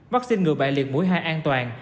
vaccine ngừa bại liệt mũi hai an toàn